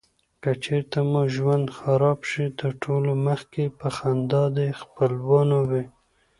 که چیرته مو ژوند خراب شي تر ټولو مخکي به خندا دې خپلوانو وې.